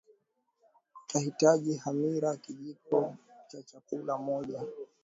Utahitaji hamira Kijiko cha chakula moja